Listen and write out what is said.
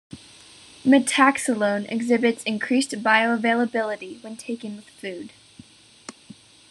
Metaxalone exhibits increased bioavailability when taken with food.